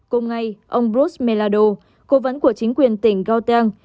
cùng ngay ông bruce melado cố vấn của chính quyền tỉnh gauteng